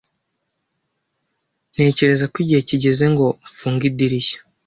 Ntekereza ko igihe kigeze ngo mfunge idirishya.